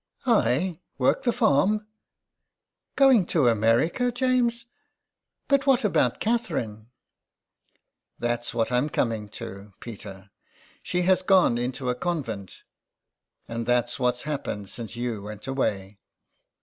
" I work the farm ! Going to America, James ! But what about Catherine ?"" That's what I'm coming to, Peter. She has 131 THE EXILE. gone into a convent. And that's what's happened since you went away.